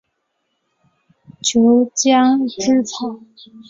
俅江芰草